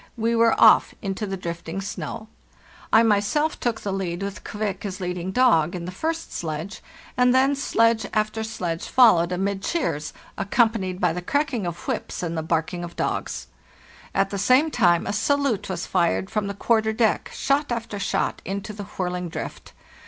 We were off into the drifting snow. I myself took the lead with ' Kvik' as leading dog, in the first sledge, and then sledge after sledge followed amid WE MAKE A START 99 cheers, accompanied by the cracking of whips and the barking of dogs. At the same time a salute was fired from the quarter deck, shot after shot, into the whirling drift.